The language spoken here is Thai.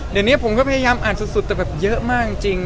เดี๋ยวนี้ผมก็พยายามอ่านสุดแต่แบบเยอะมากจริง